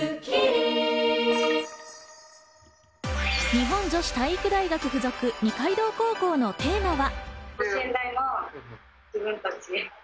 日本女子体育大学附属二階堂高校のテーマは。